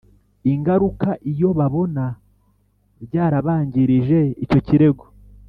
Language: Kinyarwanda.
ingaruka iyo babona byarabangirije Icyo kirego